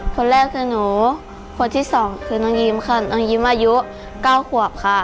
คนแรกคือหนูคนที่สองคือน้องยิ้มค่ะน้องยิ้มอายุ๙ขวบค่ะ